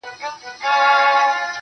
ذوقونه په بدله ننداره کې واچوه